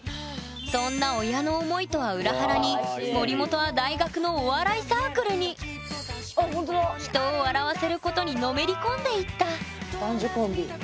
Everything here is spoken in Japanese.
そんな親の思いとは裏腹に森本は人を笑わせることにのめり込んでいった男女コンビ。